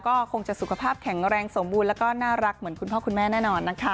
ก็คงจะสุขภาพแข็งแรงสมบูรณ์แล้วก็น่ารักเหมือนคุณพ่อคุณแม่แน่นอนนะคะ